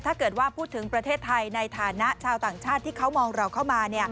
ถ้าเกิดว่าพูดถึงประเทศไทยในฐานะชาวต่างชาติที่เขามองเราเข้ามา